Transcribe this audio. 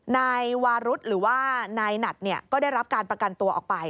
นายวารุธหรือว่านายหนัดก็ได้รับการประกันตัวออกไป